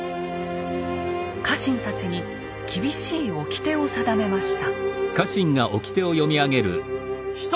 家臣たちに厳しいおきてを定めました。